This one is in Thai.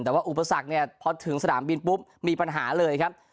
แต่ว่าอุปสรรคเนี่ยพอถึงสนามบินปุ๊บมีปัญหาเลยครับ